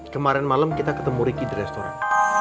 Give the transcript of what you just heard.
kemaren malem kita ketemu ricky di restoran